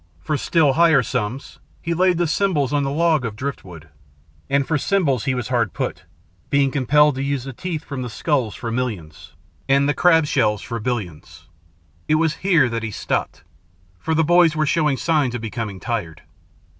For still higher sums, he laid the symbols on the log of driftwood; and for symbols he was hard put, being compelled to use the teeth from the skulls for millions, and the crab shells for billions. It was here that he stopped, for the boys were showing signs of becoming tired.